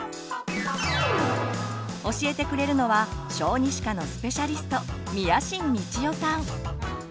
教えてくれるのは小児歯科のスペシャリスト